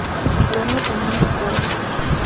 Premios Unión de Actores